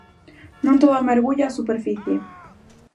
Non todo mergulla á superficie.